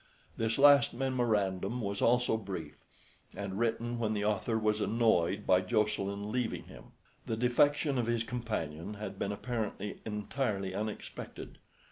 This last memorandum was also brief, and written when the author was annoyed by Jocelyn leaving him. The defection of his companion had been apparently entirely unexpected.